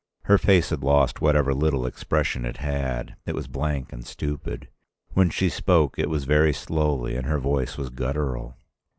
Her face had lost whatever little expression it had; it was blank and stupid. When she spoke it was very slowly and her voice was guttural.